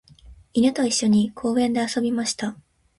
犬と一緒に公園で遊びました。